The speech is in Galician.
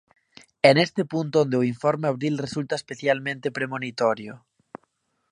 É neste punto onde o Informe Abril resulta especialmente premonitorio.